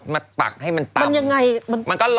มาปักให้มันตำ